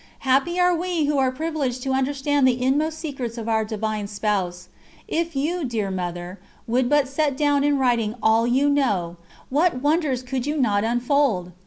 Happy are we who are privileged to understand the inmost secrets of Our Divine Spouse. If you, dear Mother, would but set down in writing all you know, what wonders could you not unfold!